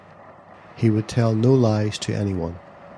He would tell no lies to any one.